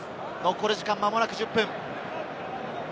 残り時間はまもなく１０分。